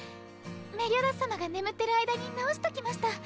メリオダス様が眠ってる間に直しときました。